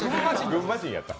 群馬人やった。